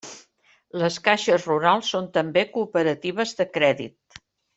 Les caixes rurals són també cooperatives de crèdit.